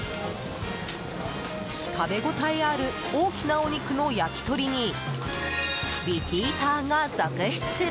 食べ応えある大きなお肉の焼き鳥にリピーターが続出！